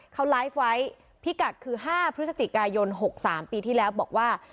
เขาไลฟ์ไว้พิกัดคือ๕พฤศจิกายน๖๓ปีที่แล้วบอกว่า